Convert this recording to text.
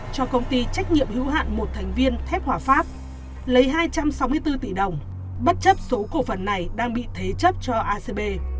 cho công ty trách nhiệm hữu hạn một thành viên thép hòa pháp lấy hai trăm sáu mươi bốn tỷ đồng bất chấp số cổ phần này đang bị thế chấp cho acb